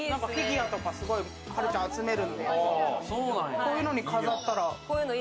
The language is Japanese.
こういうのに飾ったら。